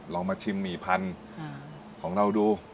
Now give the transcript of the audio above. ลองมาชิมหมี่พันธุ์ของเราดู